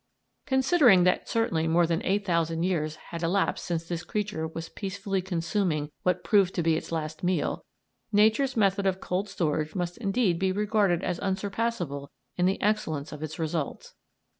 Considering that certainly more than eight thousand years had elapsed since this creature was peacefully consuming what proved to be its last meal, nature's method of cold storage must indeed be regarded as unsurpassable in the excellence of its results.